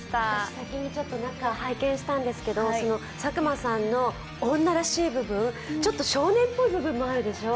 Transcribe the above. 先に中を拝見したんですけど、佐久間さんの女らしい部分、ちょっと少年ぽい部分もあるでしょう。